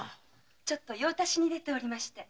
ちょっと用たしに出ておりまして。